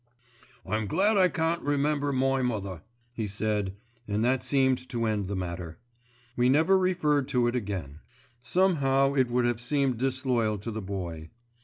"I'm glad I can't remember my mother," he said, and that seemed to end the matter. We never referred to it again. Somehow it would have seemed disloyal to the Boy.